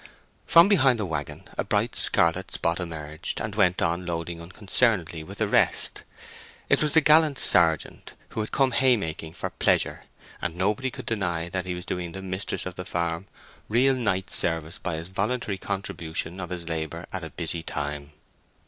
From behind the waggon a bright scarlet spot emerged, and went on loading unconcernedly with the rest. It was the gallant sergeant, who had come haymaking for pleasure; and nobody could deny that he was doing the mistress of the farm real knight service by this voluntary contribution of his labour at a busy time.